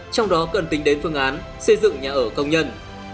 trong đó cần tính đến phương án xây dựng nhà ở công nhân